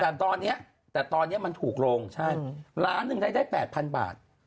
แต่ตอนเนี้ยแต่ตอนเนี้ยมันถูกลงใช่อืมล้านหนึ่งได้ได้แปดพันบาท